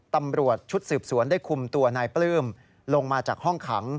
ตำรวจชุดสืบสวนได้คุมตัวนายปลื้มลงมาจากห้องขัง